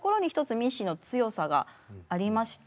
ミッシーの強さがありまして。